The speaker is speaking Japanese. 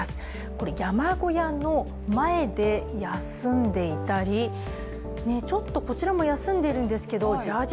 これ、山小屋の前で休んでいたりちょっと、こちらも休んでいるんですけどジャージ